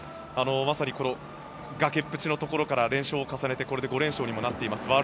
まさに、崖っぷちのところから練習を重ねてこれで５連勝にもなっています。